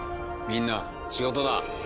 みんな仕事だ。